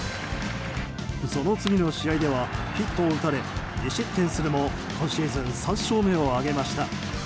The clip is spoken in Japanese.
その次の試合ではヒットを打たれ２失点するも今シーズン３勝目を挙げました。